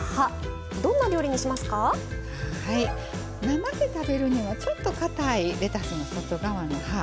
生で食べるにはちょっとかたいレタスの外側の葉。